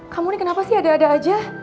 kamu nih kenapa sih ada ada aja